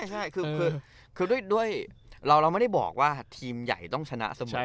ใช่คือด้วยเราไม่ได้บอกว่าทีมใหญ่ต้องชนะเสมอ